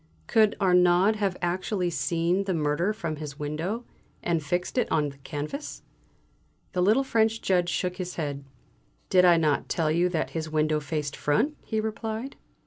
"Could Arnaud have actually seen the murder from his window, and fixed it on the canvas?" The little French Judge shook his head. "Did I not tell you that his window faced front?" he replied.